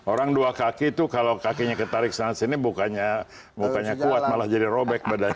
orang dua kaki itu kalau kakinya ketarik sana sini bukannya kuat malah jadi robek badannya